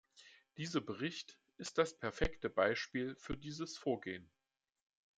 Dieser Bericht ist das perfekte Beispiel für dieses Vorgehen.